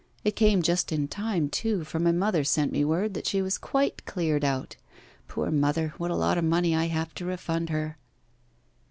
It came just in time, too, for my mother sent me word that she was quite cleared out. Poor mother, what a lot of money I have to refund her!